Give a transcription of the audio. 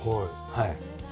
はい。